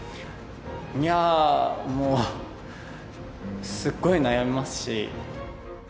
いやぁ、もう、すっごい悩みますし。